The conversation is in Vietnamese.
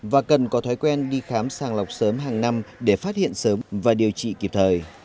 và cần có thói quen đi khám sàng lọc sớm hàng năm để phát hiện sớm và điều trị kịp thời